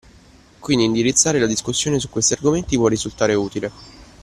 Quindi indirizzare la discussione su questi argomenti può risultare utile.